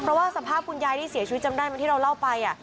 เพราะว่าสภาพคุณยายที่เสียชีวิตจำได้ไหมที่เราเล่าไป